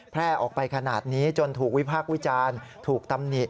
แพร่ออกไปขนาดนี้จนถูกวิพากษ์วิจารณ์